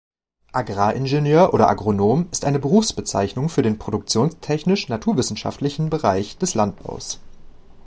Agraringenieur oder Agronom ist eine Berufsbezeichnung für den produktionstechnisch-naturwissenschaftlichen Bereich des Landbaus.